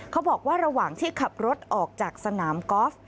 เขาบอกว่าระหว่างที่ขับรถออกจากสนามกอล์ฟ